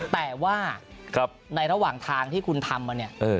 แต่ว่าในระหว่างทางที่คุณทำมาเนี่ย